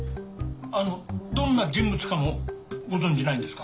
あのどんな人物かもご存じないんですか？